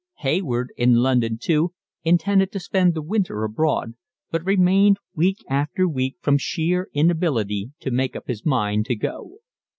Hayward, in London too, intended to spend the winter abroad, but remained week after week from sheer inability to make up his mind to go.